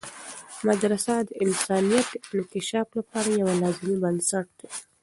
مدرسه د انسانیت د انکشاف لپاره یوه لازمي بنسټ ده.